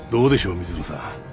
水野さん。